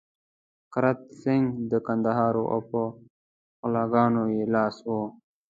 کرت سېنګ د کندهار وو او په غلاګانو يې لاس و.